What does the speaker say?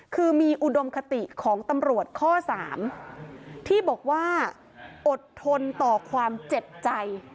คือมีอุดมคติของตำรวจข้อ๓ที่บอกว่าอดทนต่อความเจ็บใจ